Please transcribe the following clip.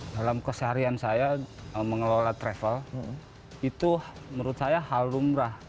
dalam keseharian saya mengelola travel itu menurut saya hal lumrah